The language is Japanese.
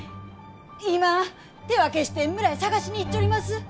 今手分けして村へ捜しに行っちょります！